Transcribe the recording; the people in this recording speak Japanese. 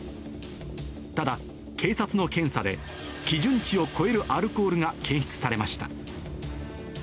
ただ、警察の検査で、基準値を超えるアルコールが検出されました。